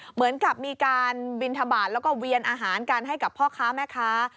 เหมือนกับมีการบินทบาทแล้วก็เวียนอาหารกันให้กับพ่อค้าแม่ค้า